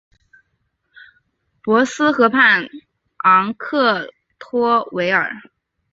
博斯河畔昂克托维尔。